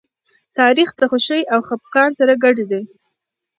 تاریخ د خوښۍ او خپګان سره ګډ دی.